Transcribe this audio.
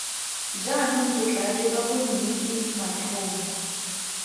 Jaanong ke tlaa leba bonnete matlhong.